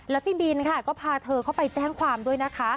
แล้วพี่บินค่ะก็พาเธอเข้าไปแจ้งความด้วยนะคะ